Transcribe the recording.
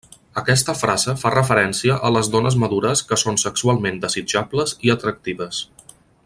Aquesta frase fa referència a les dones madures que són sexualment desitjables i atractives.